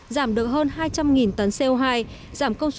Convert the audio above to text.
giảm được hơn hai trăm linh tấn co hai